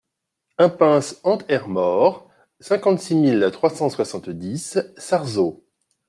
Impasse Hent er Mor, cinquante-six mille trois cent soixante-dix Sarzeau